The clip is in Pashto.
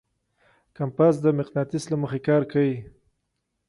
کمپاس د مقناطیس له مخې کار کوي.